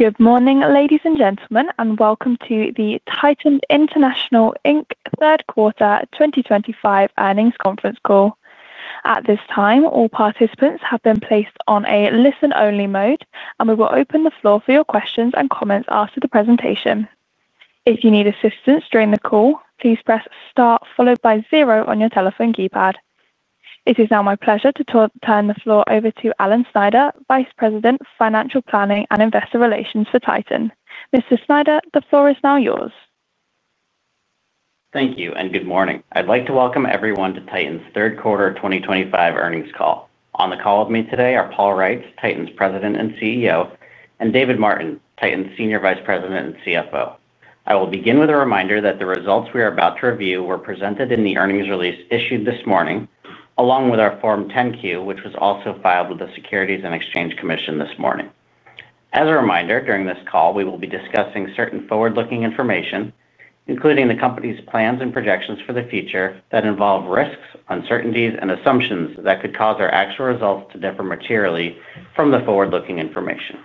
Good morning, ladies and gentlemen, and welcome to the Titan International Third Quarter 2025 Earnings Conference Call. At this time, all participants have been placed on a listen-only mode, and we will open the floor for your questions and comments after the presentation. If you need assistance during the call, please press star followed by Zero on your telephone keypad. It is now my pleasure to turn the floor over to Alan Snyder, Vice President, Financial Planning and Investor Relations for Titan. Mr. Snyder, the floor is now yours. Thank you, and good morning. I'd like to welcome everyone to Titan's Third Quarter 2025 Earnings Call. On the call with me today are Paul Reitz, Titan's President and CEO, and David Martin, Titan's Senior Vice President and CFO. I will begin with a reminder that the results we are about to review were presented in the earnings release issued this morning, along with our Form 10Q, which was also filed with the Securities and Exchange Commission this morning. As a reminder, during this call, we will be discussing certain forward-looking information, including the company's plans and projections for the future that involve risks, uncertainties, and assumptions that could cause our actual results to differ materially from the forward-looking information.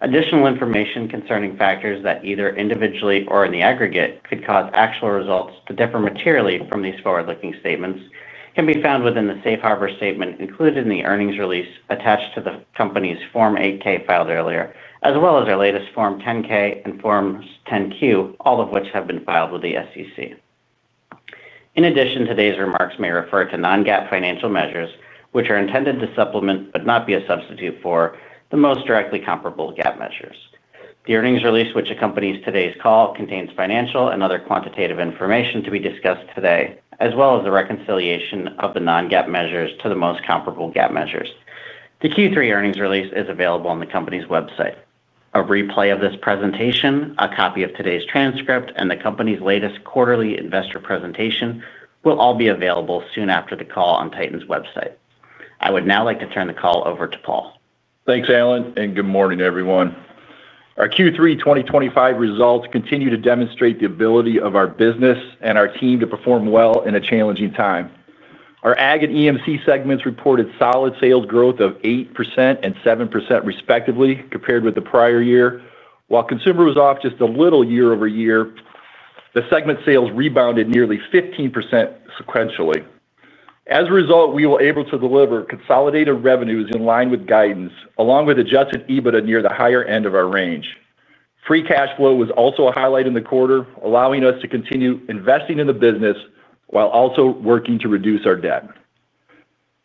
Additional information concerning factors that either individually or in the aggregate could cause actual results to differ materially from these forward-looking statements can be found within the safe harbor statement included in the earnings release attached to the company's Form 8K filed earlier, as well as our latest Form 10K and Form 10Q, all of which have been filed with the SEC. In addition, today's remarks may refer to non-GAAP financial measures, which are intended to supplement but not be a substitute for the most directly comparable GAAP measures. The earnings release which accompanies today's call contains financial and other quantitative information to be discussed today, as well as the reconciliation of the non-GAAP measures to the most comparable GAAP measures. The Q3 earnings release is available on the company's website. A replay of this presentation, a copy of today's transcript, and the company's latest quarterly investor presentation will all be available soon after the call on Titan's website. I would now like to turn the call over to Paul. Thanks, Alan, and good morning, everyone. Our Q3 2025 results continue to demonstrate the ability of our business and our team to perform well in a challenging time. Our ag and EMC segments reported solid sales growth of 8% and 7% respectively compared with the prior year. While consumer was off just a little year over year, the segment sales rebounded nearly 15% sequentially. As a result, we were able to deliver consolidated revenues in line with guidance, along with adjusted EBITDA near the higher end of our range. Free cash flow was also a highlight in the quarter, allowing us to continue investing in the business while also working to reduce our debt.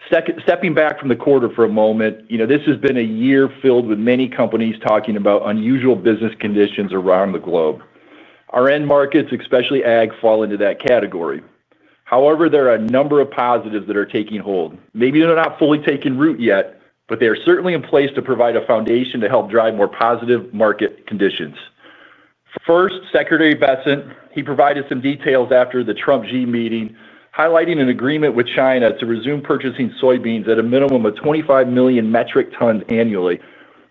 Stepping back from the quarter for a moment, this has been a year filled with many companies talking about unusual business conditions around the globe. Our end markets, especially ag, fall into that category. However, there are a number of positives that are taking hold. Maybe they're not fully taking root yet, but they are certainly in place to provide a foundation to help drive more positive market conditions. First, Secretary Bessent, he provided some details after the Trump-Gee meeting, highlighting an agreement with China to resume purchasing soybeans at a minimum of 25 million metric tons annually,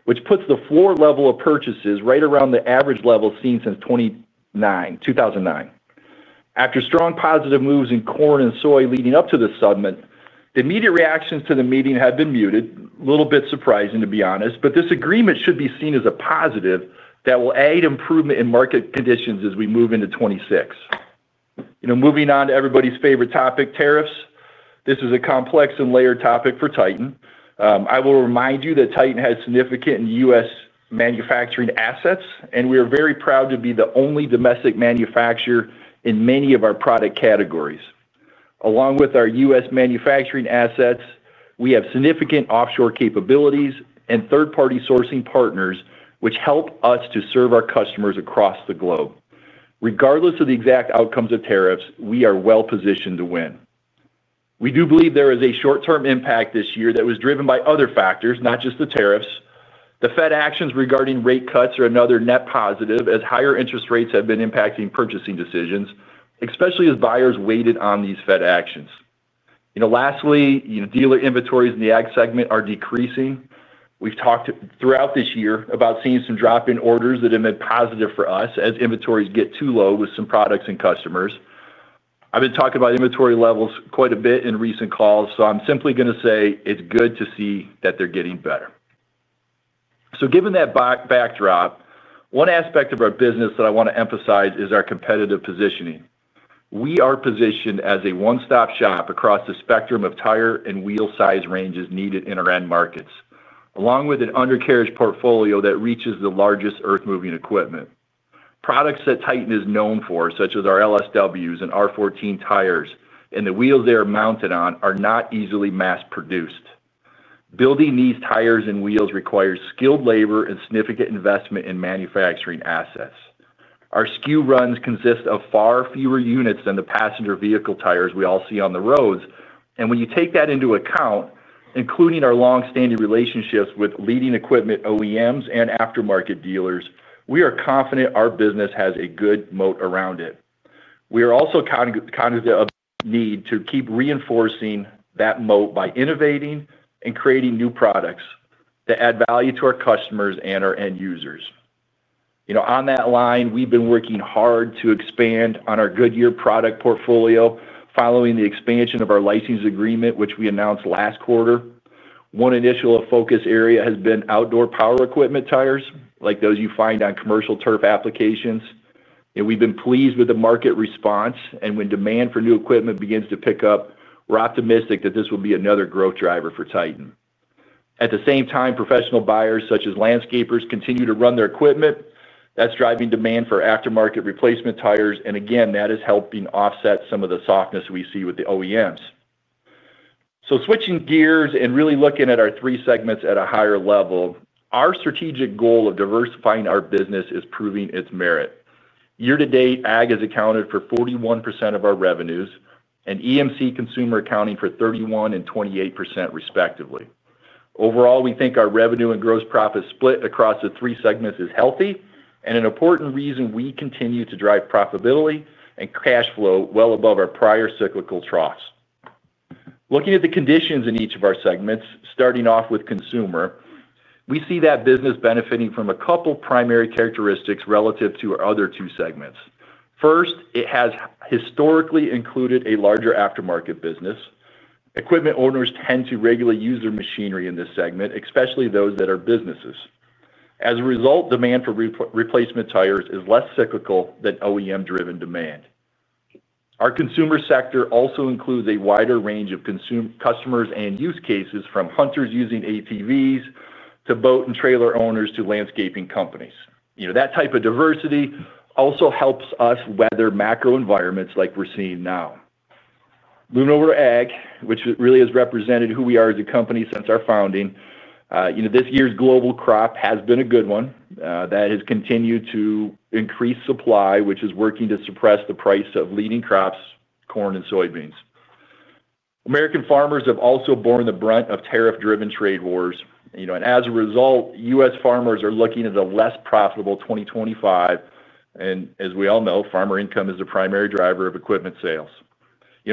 which puts the floor level of purchases right around the average level seen since 2009. After strong positive moves in corn and soy leading up to the summit, the immediate reactions to the meeting have been muted, a little bit surprising, to be honest, but this agreement should be seen as a positive that will aid improvement in market conditions as we move into 2026. Moving on to everybody's favorite topic, tariffs. This is a complex and layered topic for Titan. I will remind you that Titan has significant U.S. manufacturing assets, and we are very proud to be the only domestic manufacturer in many of our product categories. Along with our U.S. manufacturing assets, we have significant offshore capabilities and third-party sourcing partners which help us to serve our customers across the globe. Regardless of the exact outcomes of tariffs, we are well positioned to win. We do believe there is a short-term impact this year that was driven by other factors, not just the tariffs. The Fed actions regarding rate cuts are another net positive, as higher interest rates have been impacting purchasing decisions, especially as buyers waited on these Fed actions. Lastly, dealer inventories in the ag segment are decreasing. We've talked throughout this year about seeing some drop in orders that have been positive for us as inventories get too low with some products and customers. I've been talking about inventory levels quite a bit in recent calls, so I'm simply going to say it's good to see that they're getting better. Given that backdrop, one aspect of our business that I want to emphasize is our competitive positioning. We are positioned as a one-stop shop across the spectrum of tire and wheel size ranges needed in our end markets, along with an undercarriage portfolio that reaches the largest earth-moving equipment. Products that Titan is known for, such as our LSWs and R14 tires and the wheels they are mounted on, are not easily mass-produced. Building these tires and wheels requires skilled labor and significant investment in manufacturing assets. Our SKU runs consist of far fewer units than the passenger vehicle tires we all see on the roads. When you take that into account, including our long-standing relationships with leading equipment OEMs and aftermarket dealers, we are confident our business has a good moat around it. We are also conscious of the need to keep reinforcing that moat by innovating and creating new products that add value to our customers and our end users. On that line, we've been working hard to expand on our Goodyear product portfolio following the expansion of our license agreement, which we announced last quarter. One initial focus area has been outdoor power equipment Tires, like those you find on commercial turf applications. We've been pleased with the market response, and when demand for new equipment begins to pick up, we're optimistic that this will be another growth driver for Titan. At the same time, professional buyers such as landscapers continue to run their equipment. That's driving demand for aftermarket replacement tires. That is helping offset some of the softness we see with the OEMs. Switching gears and really looking at our three segments at a higher level, our strategic goal of diversifying our business is proving its merit. Year to date, ag has accounted for 41% of our revenues and EMC and consumer accounting for 31% and 28%, respectively. Overall, we think our revenue and gross profit split across the three segments is healthy and an important reason we continue to drive profitability and cash flow well above our prior cyclical troughs. Looking at the conditions in each of our segments, starting off with consumer, we see that business benefiting from a couple of primary characteristics relative to our other two segments. First, it has historically included a larger aftermarket business. Equipment owners tend to regularly use their machinery in this segment, especially those that are businesses. As a result, demand for replacement tires is less cyclical than OEM-driven demand. Our consumer sector also includes a wider range of customers and use cases, from hunters using ATVs to boat and trailer owners to landscaping companies. That type of diversity also helps us weather macro environments like we're seeing now. Looking over to ag, which really has represented who we are as a company since our founding. This year's global crop has been a good one. That has continued to increase supply, which is working to suppress the price of leading crops, corn and soybeans. American farmers have also borne the brunt of tariff-driven trade wars. As a result, U.S. farmers are looking at a less profitable 2025. As we all know, farmer income is the primary driver of equipment sales.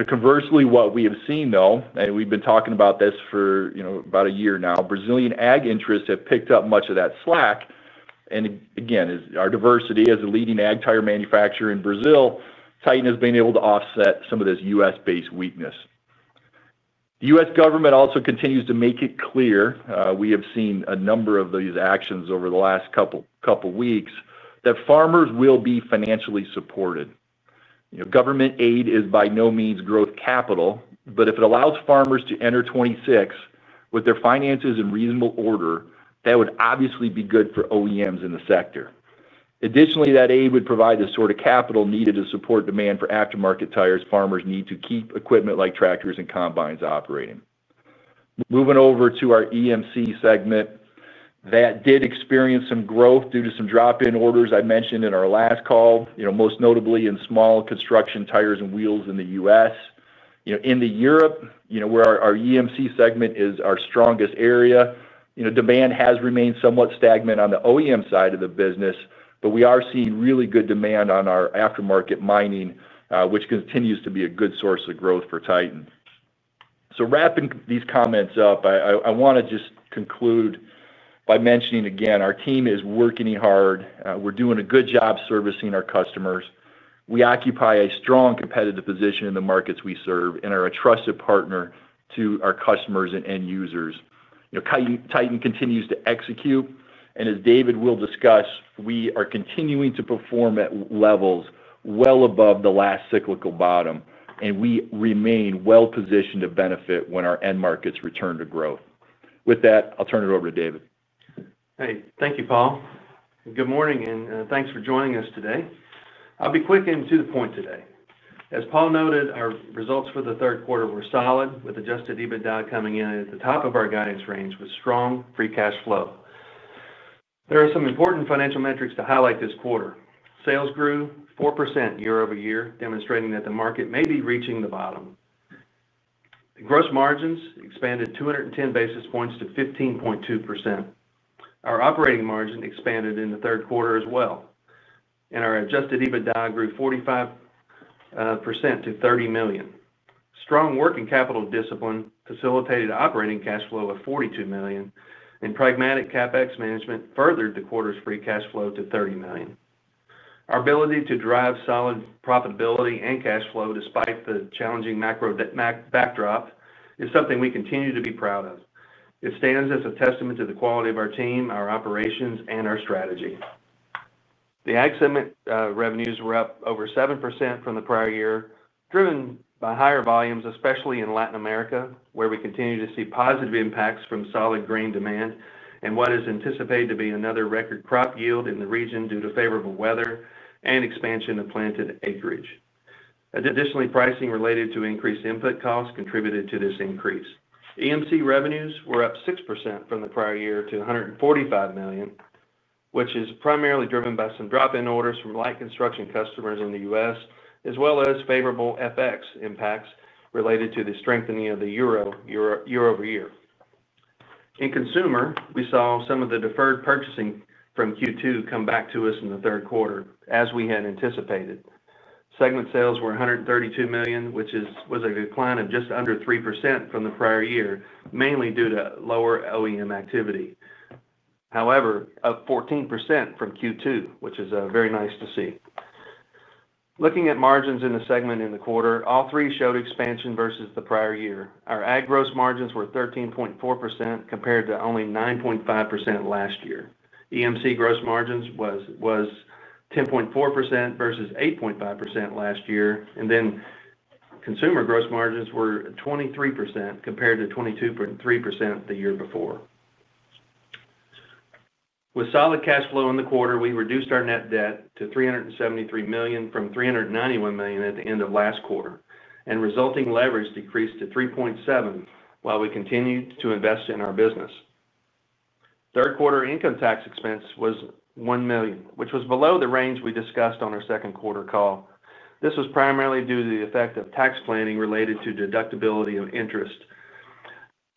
Conversely, what we have seen, though, and we have been talking about this for about a year now, Brazilian ag interests have picked up much of that slack. Again, our diversity as a leading ag tire manufacturer in Brazil, Titan has been able to offset some of this U.S. based weakness. The U.S. government also continues to make it clear—we have seen a number of these actions over the last couple of weeks—that farmers will be financially supported. Government aid is by no means growth capital, but if it allows farmers to enter 2026 with their finances in reasonable order, that would obviously be good for OEMs in the sector. Additionally, that aid would provide the sort of capital needed to support demand for aftermarket tires farmers need to keep equipment like tractors and combines operating. Moving over to our EMC segment. That did experience some growth due to some drop-in orders I mentioned in our last call, most notably in small construction tires and wheels in the U.S. In Europe, where our EMC segment is our strongest area, demand has remained somewhat stagnant on the OEM side of the business, but we are seeing really good demand on our aftermarket mining, which continues to be a good source of growth for Titan. Wrapping these comments up, I want to just conclude by mentioning again, our team is working hard. We're doing a good job servicing our customers. We occupy a strong competitive position in the markets we serve and are a trusted partner to our customers and end users. Titan continues to execute. As David will discuss, we are continuing to perform at levels well above the last cyclical bottom, and we remain well positioned to benefit when our end markets return to growth. With that, I'll turn it over to David. Hey, thank you, Paul. Good morning and thanks for joining us today. I'll be quick and to the point today. As Paul noted, our results for the third quarter were solid, with adjusted EBITDA coming in at the top of our guidance range with strong free cash flow. There are some important financial metrics to highlight this quarter. Sales grew 4% year over year, demonstrating that the market may be reaching the bottom. Gross margins expanded 210 basis points to 15.2%. Our operating margin expanded in the third quarter as well. Our adjusted EBITDA grew 45%-$30 million. Strong working capital discipline facilitated operating cash flow of $42 million, and pragmatic CapEx management furthered the quarter's free cash flow to $30 million. Our ability to drive solid profitability and cash flow despite the challenging macro backdrop is something we continue to be proud of. It stands as a testament to the quality of our team, our operations, and our strategy. The ag segment revenues were up over 7% from the prior year, driven by higher volumes, especially in Latin America, where we continue to see positive impacts from solid grain demand and what is anticipated to be another record crop yield in the region due to favorable weather and expansion of planted acreage. Additionally, pricing related to increased input costs contributed to this increase. EMC revenues were up 6% from the prior year to $145 million, which is primarily driven by some drop-in orders from light construction customers in the U.S., as well as favorable FX impacts related to the strengthening of the euro year over year. In consumer, we saw some of the deferred purchasing from Q2 come back to us in the third quarter, as we had anticipated. Segment sales were $132 million, which was a decline of just under 3% from the prior year, mainly due to lower OEM activity. However, up 14% from Q2, which is very nice to see. Looking at margins in the segment in the quarter, all three showed expansion versus the prior year. Our ag gross margins were 13.4% compared to only 9.5% last year. EMC gross margins were 10.4% versus 8.5% last year. Consumer gross margins were 23% compared to 22.3% the year before. With solid cash flow in the quarter, we reduced our net debt to $373 million from $391 million at the end of last quarter, and resulting leverage decreased to 3.7 while we continued to invest in our business. Third quarter income tax expense was $1 million, which was below the range we discussed on our second quarter call. This was primarily due to the effect of tax planning related to deductibility of interest.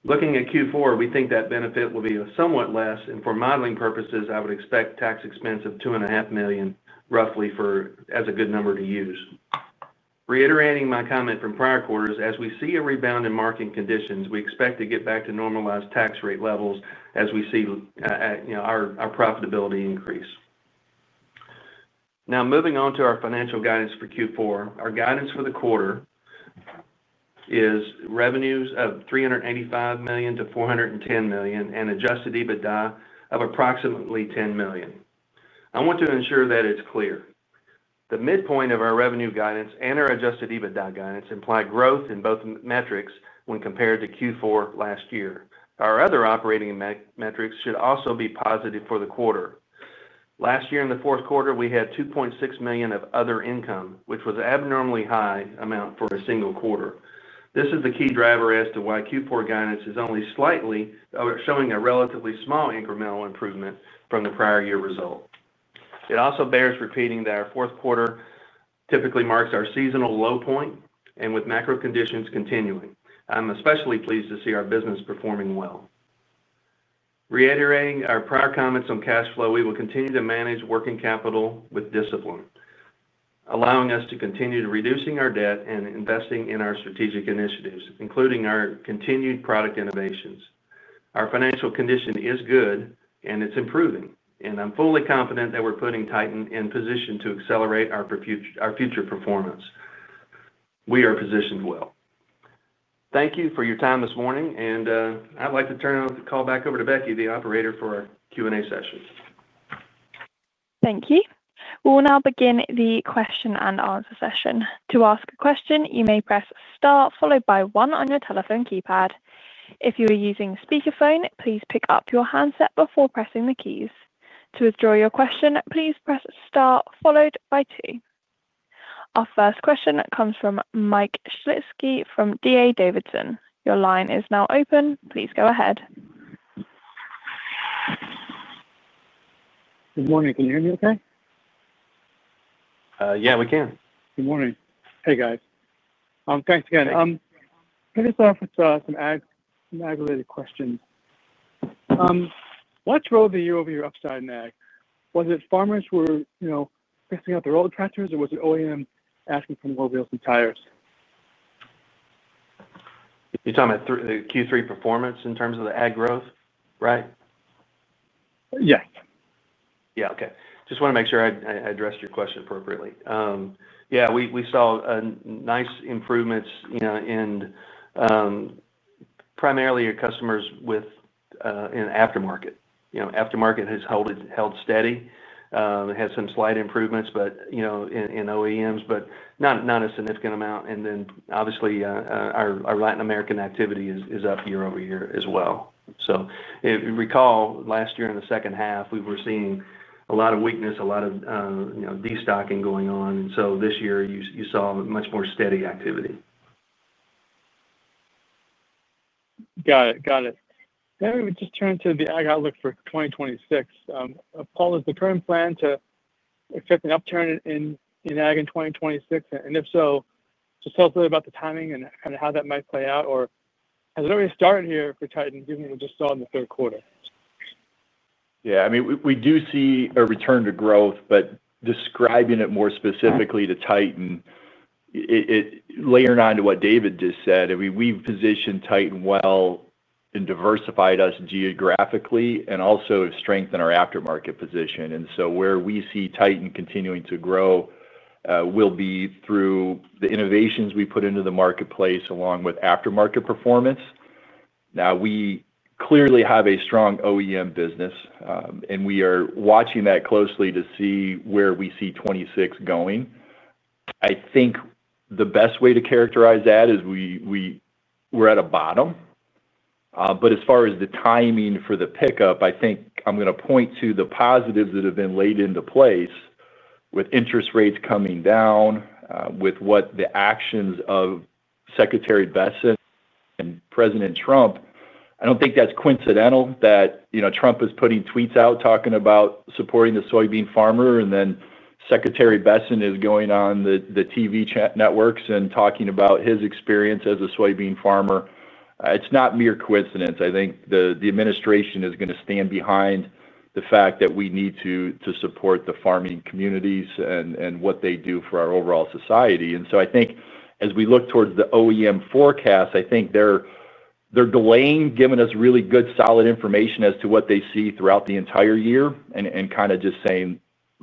Looking at Q4, we think that benefit will be somewhat less. For modeling purposes, I would expect tax expense of $2.5 million, roughly, as a good number to use. Reiterating my comment from prior quarters, as we see a rebound in market conditions, we expect to get back to normalized tax rate levels as we see our profitability increase. Now, moving on to our financial guidance for Q4, our guidance for the quarter is revenues of $385 million-$410 million and adjusted EBITDA of approximately $10 million. I want to ensure that it's clear. The midpoint of our revenue guidance and our adjusted EBITDA guidance imply growth in both metrics when compared to Q4 last year. Our other operating metrics should also be positive for the quarter. Last year, in the fourth quarter, we had $2.6 million of other income, which was an abnormally high amount for a single quarter. This is the key driver as to why Q4 guidance is only slightly showing a relatively small incremental improvement from the prior year result. It also bears repeating that our fourth quarter typically marks our seasonal low point and with macro conditions continuing. I'm especially pleased to see our business performing well. Reiterating our prior comments on cash flow, we will continue to manage working capital with discipline. Allowing us to continue reducing our debt and investing in our strategic initiatives, including our continued product innovations. Our financial condition is good, and it's improving. I'm fully confident that we're putting Titan in position to accelerate our future performance. We are positioned well. Thank you for your time this morning. I'd like to turn the call back over to Becky, the operator, for our Q&A session. Thank you. We will now begin the question and answer session. To ask a question, you may press Star, followed by 1 on your telephone keypad. If you are using speakerphone, please pick up your handset before pressing the keys. To withdraw your question, please press Star, followed by 2. Our first question comes from Mike Shlisky from DA Davidson. Your line is now open. Please go ahead. Good morning. Can you hear me okay? Yeah, we can. Good morning. Hey, guys. Thanks again. Can I start off with some ag-related questions? What drove the year-over-year upside in ag? Was it farmers who were fixing up their old tractors, or was it OEMs asking for more Wheels and Tires? You're talking about the Q3 performance in terms of the Ag growth, right? Yes. Yeah, okay. Just want to make sure I addressed your question appropriately. Yeah, we saw nice improvements in. Primarily your customers with. An aftermarket. Aftermarket has held steady. It has some slight improvements. In OEMs, but not a significant amount. And then, obviously, our Latin American activity is up year over year as well. So, recall, last year in the second half, we were seeing a lot of weakness, a lot of. Destocking going on. And so this year, you saw much more steady activity. Got it. Got it. Now, we would just turn to the ag outlook for 2026. Paul, is the current plan to. Expect an upturn in ag in 2026? And if so, just tell us a little bit about the timing and kind of how that might play out. Or has it already started here for Titan, given what we just saw in the third quarter? Yeah. I mean, we do see a return to growth, but describing it more specifically to Titan. Layering on to what David just said, I mean, we've positioned Titan well and diversified us geographically and also strengthened our aftermarket position. And so where we see Titan continuing to grow. Will be through the innovations we put into the marketplace along with aftermarket performance. Now, we clearly have a strong OEM business. And we are watching that closely to see where we see 2026 going. I think the best way to characterize that is we're at a bottom. But as far as the timing for the pickup, I think I'm going to point to the positives that have been laid into place with interest rates coming down, with what the actions of. Secretary Bessent and President Trump. I don't think that's coincidental that Trump is putting tweets out talking about supporting the soybean farmer, and then Secretary Bessent is going on the TV networks and talking about his experience as a soybean farmer. It's not mere coincidence. I think the administration is going to stand behind the fact that we need to support the farming communities and what they do for our overall society. I think, as we look towards the OEM forecast, I think they're delaying, giving us really good solid information as to what they see throughout the entire year and kind of just saying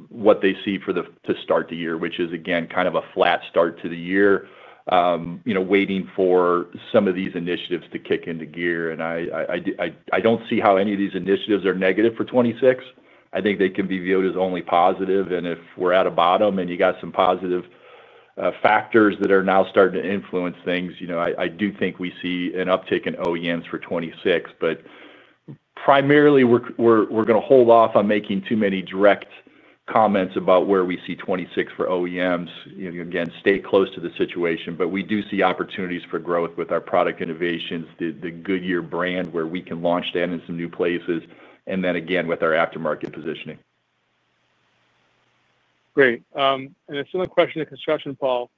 what they see to start the year, which is, again, kind of a flat start to the year, waiting for some of these initiatives to kick into gear. I don't see how any of these initiatives are negative for 2026. I think they can be viewed as only positive. And if we're at a bottom and you got some positive factors that are now starting to influence things, I do think we see an uptick in OEMs for 2026. But. Primarily, we're going to hold off on making too many direct comments about where we see 2026 for OEMs. Again, stay close to the situation. But we do see opportunities for growth with our product innovations, the good year brand where we can launch that in some new places, and then again with our aftermarket positioning. Great. And a similar question to construction, Paul.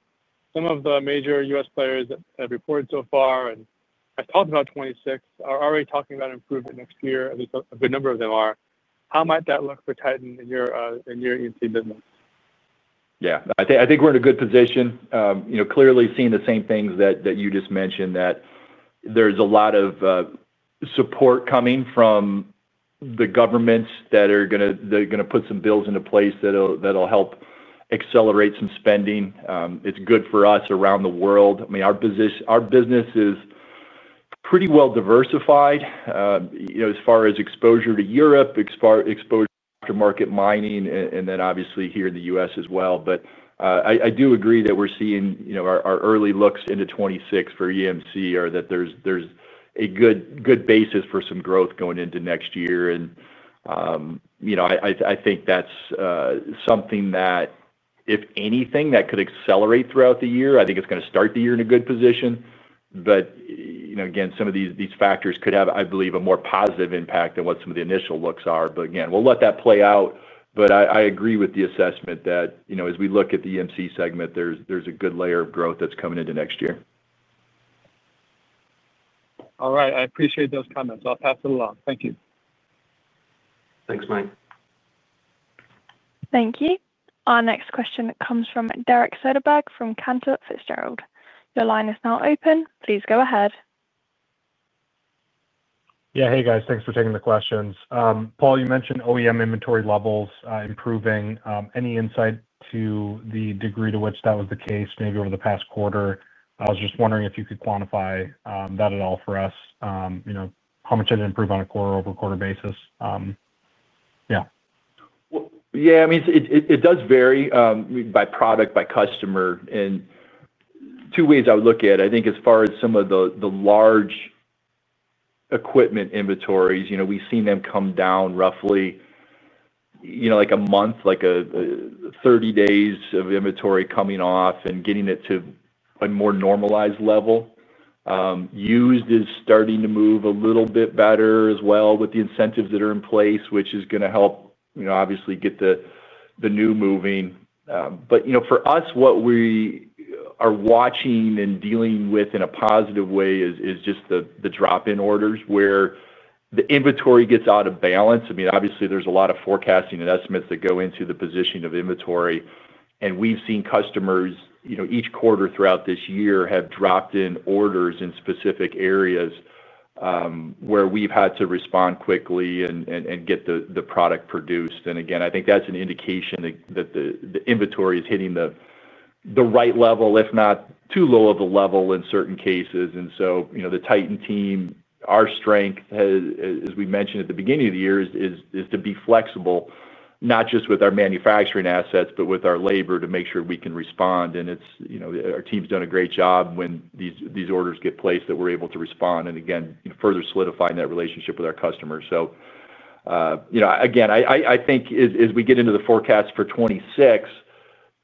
Some of the major U.S. players that have reported so far and have talked about 2026 are already talking about improvement next year. At least a good number of them are. How might that look for Titan in your EMC business? Yeah. I think we're in a good position. Clearly seeing the same things that you just mentioned, that. There's a lot of. Support coming from. The governments that are going to put some bills into place that'll help accelerate some spending. It's good for us around the world. I mean, our business is. Pretty well diversified. As far as exposure to Europe, exposure to aftermarket mining, and then obviously here in the U.S. as well. But I do agree that we're seeing our early looks into 2026 for EMC, or that there's a good basis for some growth going into next year. And. I think that's something that, if anything, that could accelerate throughout the year. I think it's going to start the year in a good position. But again, some of these factors could have, I believe, a more positive impact than what some of the initial looks are. But again, we'll let that play out. But I agree with the assessment that, as we look at the EMC segment, there's a good layer of growth that's coming into next year. All right. I appreciate those comments. I'll pass it along. Thank you. Thanks, Mike. Thank you. Our next question comes from Derek Soderbergh from Cantor Fitzgerald. Your line is now open. Please go ahead. Yeah. Hey, guys. Thanks for taking the questions. Paul, you mentioned OEM inventory levels improving. Any insight to the degree to which that was the case maybe over the past quarter? I was just wondering if you could quantify that at all for us. How much did it improve on a quarter-over-quarter basis? Yeah. Yeah. I mean, it does vary by product, by customer. And. Two ways I would look at it. I think as far as some of the large. Equipment inventories, we've seen them come down roughly. Like a month, like 30 days of inventory coming off and getting it to a more normalized level. Used is starting to move a little bit better as well with the incentives that are in place, which is going to help, obviously, get the new moving. But for us, what we are watching and dealing with in a positive way is just the drop-in orders where the inventory gets out of balance. I mean, obviously, there's a lot of forecasting and estimates that go into the positioning of inventory. And we've seen customers each quarter throughout this year have dropped in orders in specific areas. Where we've had to respond quickly and get the product produced. Again, I think that's an indication that the inventory is hitting the right level, if not too low of a level in certain cases. So the Titan team, our strength, as we mentioned at the beginning of the year, is to be flexible, not just with our manufacturing assets, but with our labor to make sure we can respond. Our team's done a great job when these orders get placed that we're able to respond and, again, further solidifying that relationship with our customers. Again, I think, as we get into the forecast for 2026,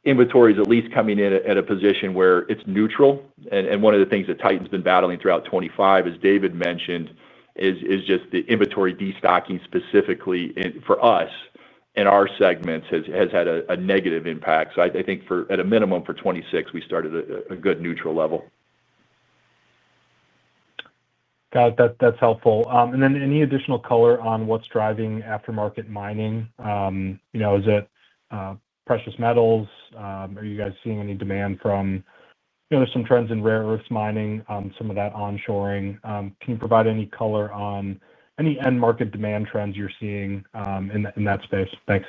inventory is at least coming in at a position where it's neutral. And one of the things that Titan's been battling throughout 2025, as David mentioned, is just the inventory destocking specifically for us in our segments has had a negative impact. So I think, at a minimum, for 2026, we started at a good neutral level. Got it. That's helpful. And then any additional color on what's driving aftermarket mining? Is it. Precious metals? Are you guys seeing any demand from. There's some trends in rare earths mining, some of that onshoring? Can you provide any color on any end-market demand trends you're seeing in that space? Thanks.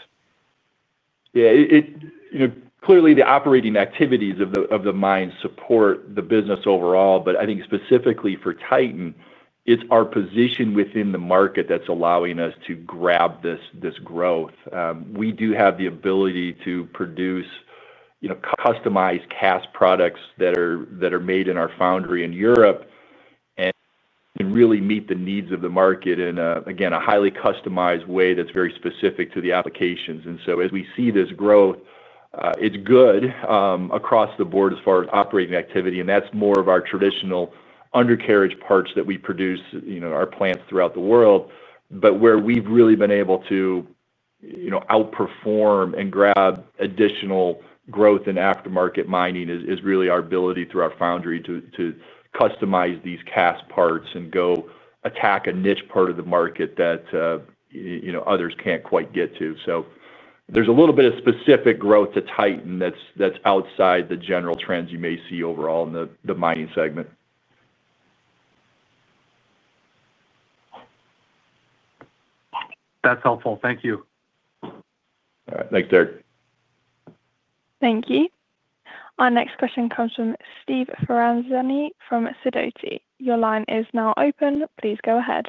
Yeah. Clearly, the operating activities of the mine support the business overall. But I think, specifically for Titan, it's our position within the market that's allowing us to grab this growth. We do have the ability to produce. Customized cast products that are made in our foundry in Europe. And really meet the needs of the market in, again, a highly customized way that's very specific to the applications. And so as we see this growth. It's good across the board as far as operating activity. And that's more of our traditional undercarriage parts that we produce our plants throughout the world. But where we've really been able to. Outperform and grab additional growth in aftermarket mining is really our ability through our foundry to customize these cast parts and go attack a niche part of the market that. Others can't quite get to. So there's a little bit of specific growth to Titan that's outside the general trends you may see overall in the mining segment. That's helpful. Thank you. All right. Thanks, Derek. Thank you. Our next question comes from Steve Ferazani from Sidoti. Your line is now open. Please go ahead.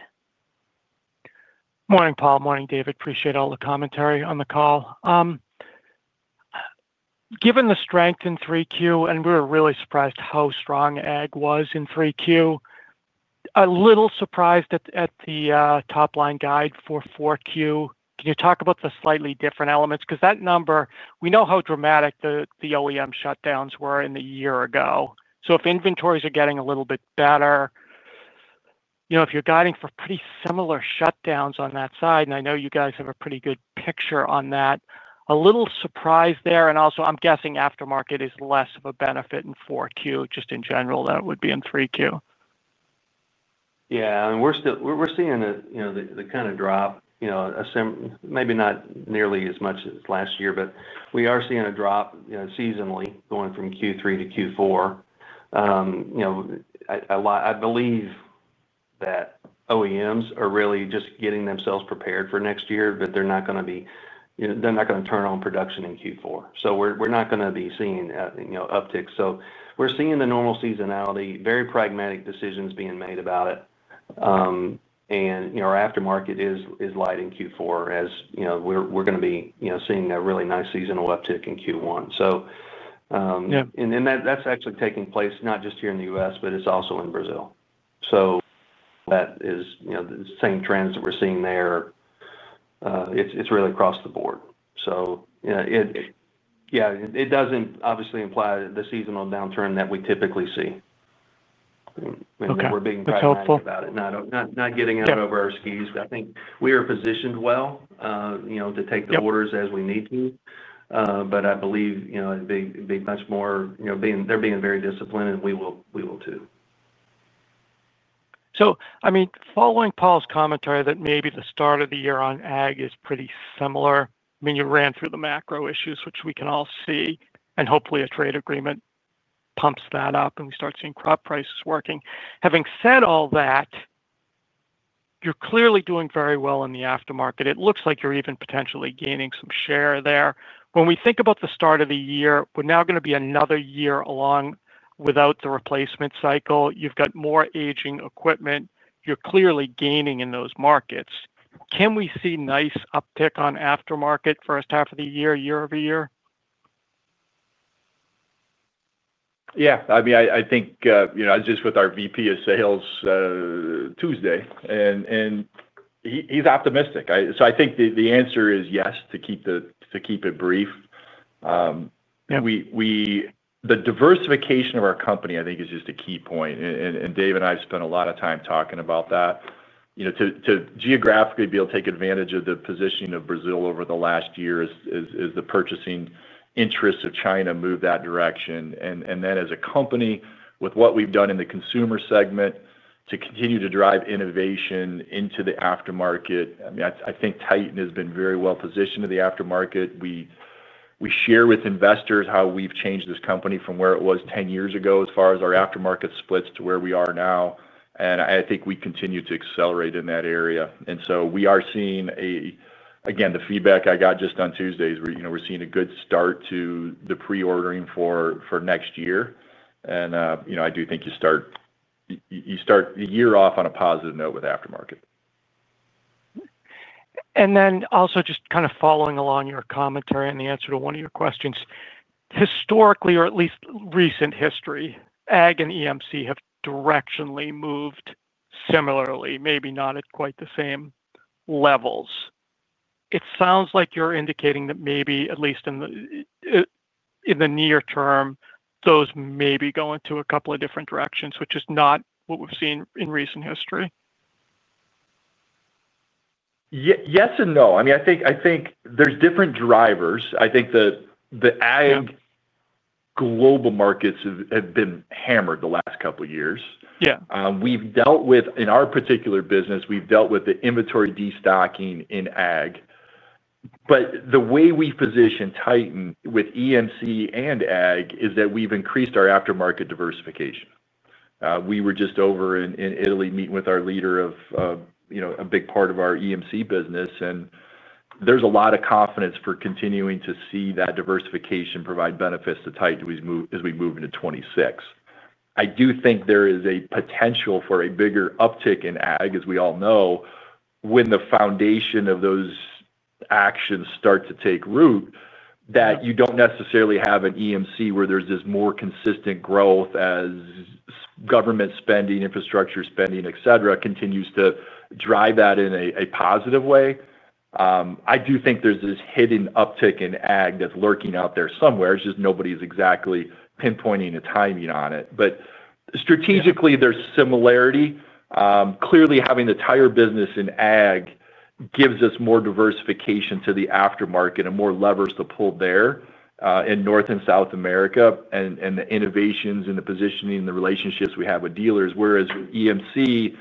Morning, Paul. Morning, David. Appreciate all the commentary on the call. Given the strength in 3Q, and we were really surprised how strong ag was in 3Q. A little surprised at the top-line guide for 4Q. Can you talk about the slightly different elements? Because that number, we know how dramatic the OEM shutdowns were in the year ago. So if inventories are getting a little bit better. If you're guiding for pretty similar shutdowns on that side, and I know you guys have a pretty good picture on that, a little surprise there. And also, I'm guessing aftermarket is less of a benefit in 4Q just in general than it would be in 3Q. Yeah. I mean, we're seeing the kind of drop. Maybe not nearly as much as last year, but we are seeing a drop seasonally going from Q3-Q4. I believe. That OEMs are really just getting themselves prepared for next year, but they're not going to be they're not going to turn on production in Q4. So we're not going to be seeing upticks. So we're seeing the normal seasonality, very pragmatic decisions being made about it. And our aftermarket is light in Q4, as we're going to be seeing a really nice seasonal uptick in Q1. So. And that's actually taking place not just here in the U.S., but it's also in Brazil. So. That is the same trends that we're seeing there. It's really across the board. So. Yeah, it doesn't obviously imply the seasonal downturn that we typically see. I mean, we're being pragmatic about it. Okay. That's helpful. Not getting in over our skis. I think we are positioned well to take the orders as we need to. I believe they're being very disciplined, and we will too. So, I mean, following Paul's commentary that maybe the start of the year on ag is pretty similar, I mean, you ran through the macro issues, which we can all see, and hopefully a trade agreement pumps that up and we start seeing crop prices working. Having said all that. You're clearly doing very well in the aftermarket. It looks like you're even potentially gaining some share there. When we think about the start of the year, we're now going to be another year along without the replacement cycle. You've got more aging equipment. You're clearly gaining in those markets. Can we see nice uptick on aftermarket first half of the year, year-over-year? Yeah. I mean, I think just with our VP of sales. Tuesday, and. He's optimistic. So I think the answer is yes, to keep it brief. The diversification of our company, I think, is just a key point. And David and I have spent a lot of time talking about that. To geographically be able to take advantage of the positioning of Brazil over the last year is the purchasing interest of China move that direction. And then, as a company, with what we've done in the consumer segment, to continue to drive innovation into the aftermarket, I mean, I think Titan has been very well positioned in the aftermarket. We share with investors how we've changed this company from where it was 10 years ago as far as our aftermarket splits to where we are now. And I think we continue to accelerate in that area. And so we are seeing. Again, the feedback I got just on Tuesdays, we're seeing a good start to the pre-ordering for next year. And I do think you start. The year off on a positive note with aftermarket. Just kind of following along your commentary and the answer to one of your questions. Historically, or at least recent history, ag and EMC have directionally moved similarly, maybe not at quite the same levels. It sounds like you're indicating that maybe, at least in the near term, those may be going to a couple of different directions, which is not what we've seen in recent history. Yes and no. I mean, I think there's different drivers. I think the Ag. Global markets have been hammered the last couple of years. In our particular business, we've dealt with the inventory destocking in ag. But the way we position Titan with EMC and ag is that we've increased our aftermarket diversification. We were just over in Italy meeting with our leader of. A big part of our EMC business. And there's a lot of confidence for continuing to see that diversification provide benefits to Titan as we move into 2026. I do think there is a potential for a bigger uptick in ag, as we all know, when the foundation of those. Actions start to take root, that you don't necessarily have an EMC where there's this more consistent growth as. Government spending, infrastructure spending, etc., continues to drive that in a positive way. I do think there's this hidden uptick in ag that's lurking out there somewhere. It's just nobody's exactly pinpointing a timing on it. But strategically, there's similarity. Clearly, having the tire business in ag gives us more diversification to the aftermarket and more levers to pull there in North and South America and the innovations and the positioning and the relationships we have with dealers. Whereas with EMC,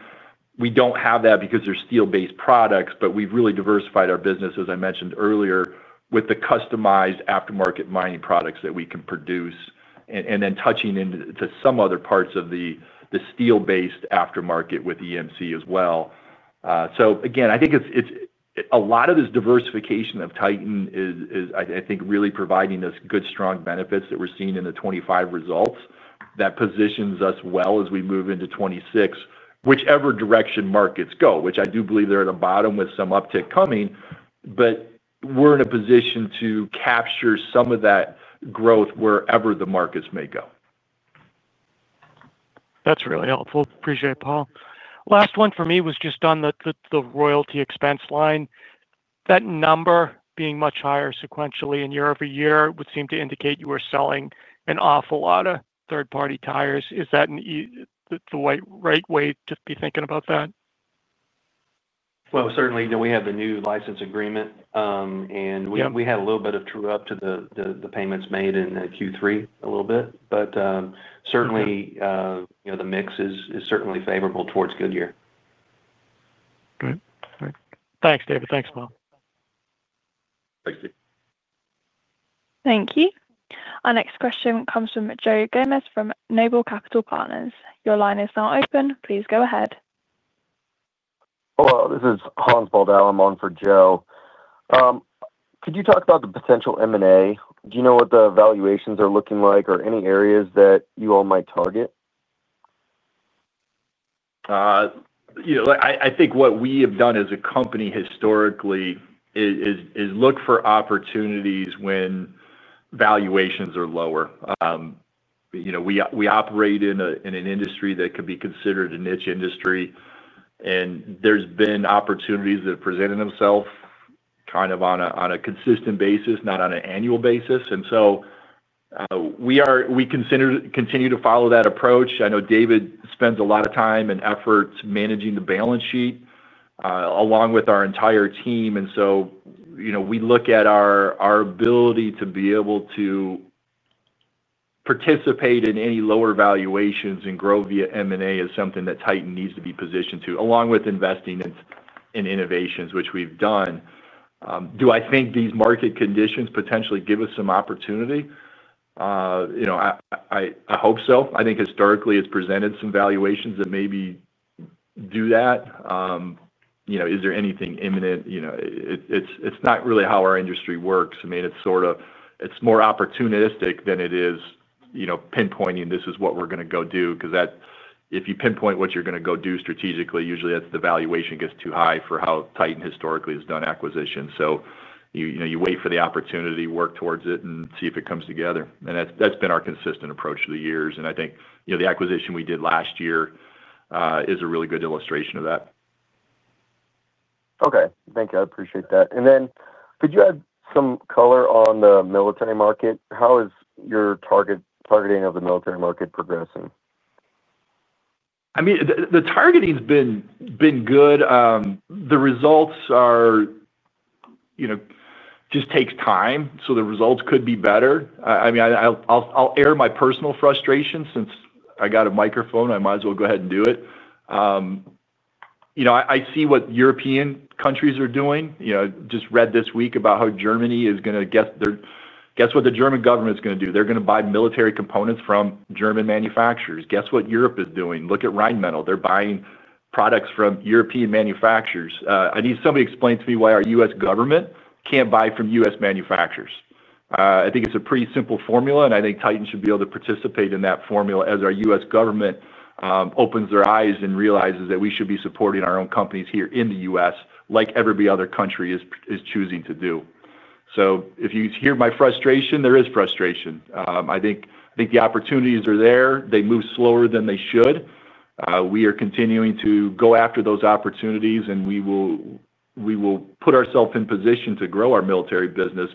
we don't have that because they're steel-based products, but we've really diversified our business, as I mentioned earlier, with the customized aftermarket mining products that we can produce and then touching into some other parts of the steel-based aftermarket with EMC as well. So again, I think. A lot of this diversification of Titan is, I think, really providing us good, strong benefits that we're seeing in the 2025 results that positions us well as we move into 2026, whichever direction markets go, which I do believe they're at a bottom with some uptick coming. But we're in a position to capture some of that growth wherever the markets may go. That's really helpful. Appreciate it, Paul. Last one for me was just on the royalty expense line. That number being much higher sequentially in year over year would seem to indicate you were selling an awful lot of third-party tires. Is that. The right way to be thinking about that? Certainly, we have the new license agreement. And we had a little bit of true-up to the payments made in Q3, a little bit. But certainly. The mix is certainly favorable towards Goodyear. Great. Great. Thanks, David. Thanks, Paul. Thank you. Thank you. Our next question comes from Joe Gomez from Noble Capital Partners. Your line is now open. Please go ahead. Hello. This is Hans Baldau. I'm on for Joe. Could you talk about the potential M&A? Do you know what the valuations are looking like or any areas that you all might target? I think what we have done as a company historically. Is look for opportunities when valuations are lower. We operate in an industry that could be considered a niche industry. And there's been opportunities that have presented themselves kind of on a consistent basis, not on an annual basis. And so. We continue to follow that approach. I know David spends a lot of time and effort managing the balance sheet. Along with our entire team. And so. We look at our ability to be able to. Participate in any lower valuations and grow via M&A is something that Titan needs to be positioned to, along with investing in innovations, which we've done. Do I think these market conditions potentially give us some opportunity? I hope so. I think historically, it's presented some valuations that maybe. Do that. Is there anything imminent? It's not really how our industry works. I mean, it's sort of. It's more opportunistic than it is. Pinpointing this is what we're going to go do. Because if you pinpoint what you're going to go do strategically, usually the valuation gets too high for how Titan historically has done acquisitions. So you wait for the opportunity, work towards it, and see if it comes together. And that's been our consistent approach through the years. And I think the acquisition we did last year. Is a really good illustration of that. Okay. Thank you. I appreciate that. And then could you add some color on the military market? How is your targeting of the military market progressing? I mean, the targeting has been good. The results are. Just take time. So the results could be better. I mean, I'll air my personal frustration since I got a microphone. I might as well go ahead and do it. I see what European countries are doing. Just read this week about how Germany is going to guess. Guess what the German government is going to do? They're going to buy military components from German manufacturers. Guess what Europe is doing? Look at Rheinmetall. They're buying products from European manufacturers. I need somebody to explain to me why our U.S. government can't buy from U.S. manufacturers. I think it's a pretty simple formula, and I think Titan should be able to participate in that formula as our U.S. government. Opens their eyes and realizes that we should be supporting our own companies here in the U.S. like every other country is choosing to do. So if you hear my frustration, there is frustration. I think the opportunities are there. They move slower than they should. We are continuing to go after those opportunities, and we will put ourselves in position to grow our military business.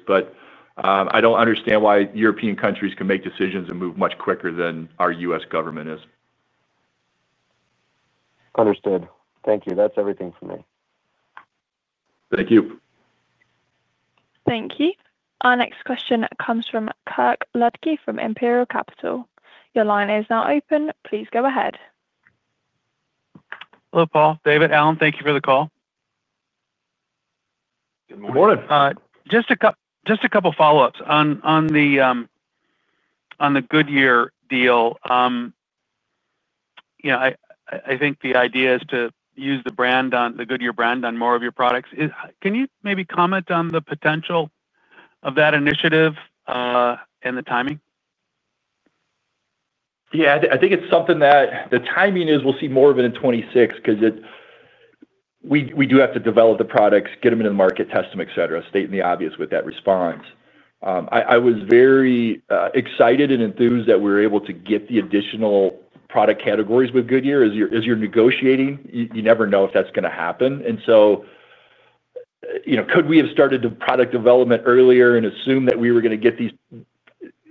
I don't understand why European countries can make decisions and move much quicker than our U.S. government is. Understood. Thank you. That's everything for me. Thank you. Thank you. Our next question comes from Kirk Ludtke from Imperial Capital. Your line is now open. Please go ahead. Hello, Paul. David, Alan, thank you for the call. Good morning. Just a couple of follow-ups. On the. Goodyear deal. I think the idea is to use the Goodyear brand on more of your products. Can you maybe comment on the potential of that initiative. And the timing? Yeah. I think it's something that the timing is we'll see more of it in '26 because. We do have to develop the products, get them into the market, test them, etc., state and the obvious with that response. I was very excited and enthused that we were able to get the additional product categories with Goodyear. As you're negotiating, you never know if that's going to happen. And so. Could we have started the product development earlier and assumed that we were going to get these.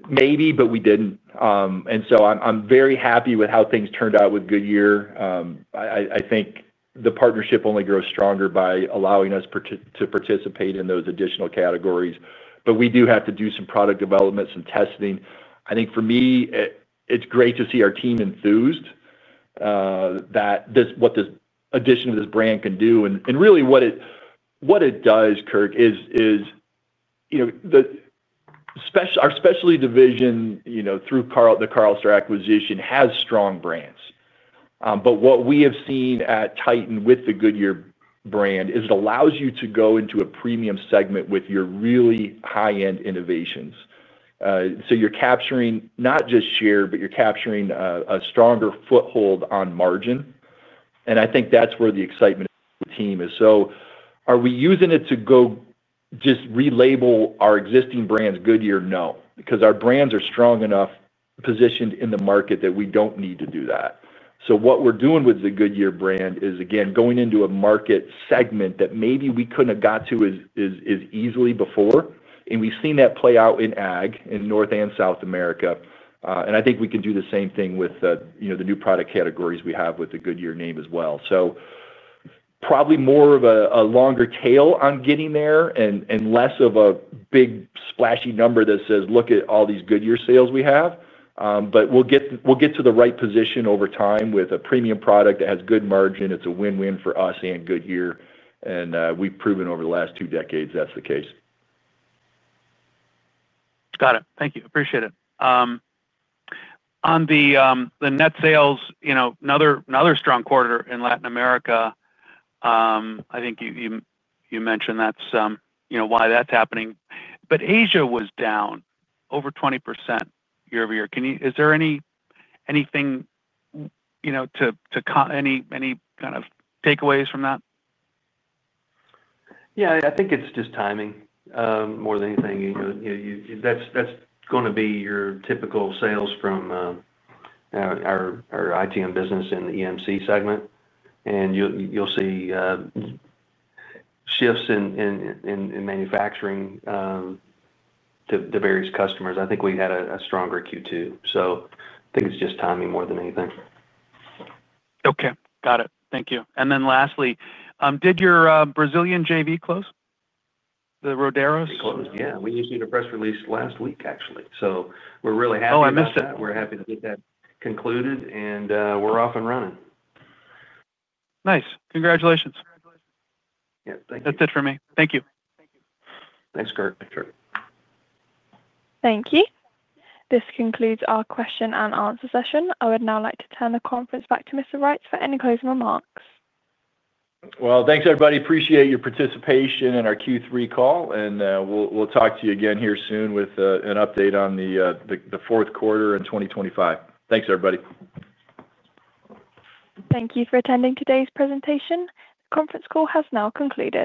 Maybe, but we didn't. And so I'm very happy with how things turned out with Goodyear. I think the partnership only grows stronger by allowing us to participate in those additional categories. But we do have to do some product development, some testing. I think for me, it's great to see our team enthused. What this addition of this brand can do. And really what it does, Kirk, is. Our specialty division. through the Carl Starr acquisition, has strong brands. But what we have seen at Titan with the Goodyear brand is it allows you to go into a premium segment with your really high-end innovations. So you're capturing not just share, but you're capturing a stronger foothold on margin. And I think that's where the excitement of the team is. So are we using it to go just relabel our existing brands, Goodyear? No. Because our brands are strong enough positioned in the market that we don't need to do that. So what we're doing with the Goodyear brand is, again, going into a market segment that maybe we couldn't have got to as easily before. And we've seen that play out in ag in North and South America. And I think we can do the same thing with the new product categories we have with the Goodyear name as well. So. Probably more of a longer tail on getting there and less of a big splashy number that says, "Look at all these Goodyear sales we have." But we'll get to the right position over time with a premium product that has good margin. It's a win-win for us and Goodyear. And we've proven over the last two decades that's the case. Got it. Thank you. Appreciate it. On the net sales, another strong quarter in Latin America. I think you mentioned that's why that's happening. But Asia was down over 20% year over year. Is there anything? Any kind of takeaways from that? Yeah. I think it's just timing more than anything. That's going to be your typical sales from. Our ITM business in the EMC segment. And you'll see. Shifts in manufacturing. To various customers. I think we had a stronger Q2. So I think it's just timing more than anything. Okay. Got it. Thank you. And then lastly, did your Brazilian JV close? The Roderos? Yeah. We just did a press release last week, actually. So we're really happy about that. Oh, I missed it. We're happy to get that concluded, and we're off and running. Nice. Congratulations. Yeah. Thank you. That's it for me. Thank you. Thanks, Kirk. Thank you. This concludes our question and answer session. I would now like to turn the conference back to Mr. Reitz for any closing remarks. Well, thanks, everybody. Appreciate your participation in our Q3 call. And we'll talk to you again here soon with an update on the fourth quarter in 2025. Thanks, everybody. Thank you for attending today's presentation. The conference call has now concluded.